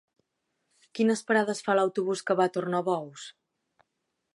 Quines parades fa l'autobús que va a Tornabous?